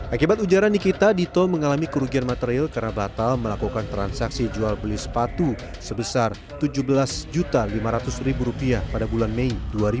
akibat ujaran nikita dito mengalami kerugian material karena batal melakukan transaksi jual beli sepatu sebesar rp tujuh belas lima ratus pada bulan mei dua ribu dua puluh